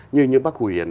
như như bác bùi hiền